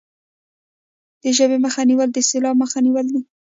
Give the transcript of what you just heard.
د ژبې مخه نیول د سیلاب مخه نیول دي.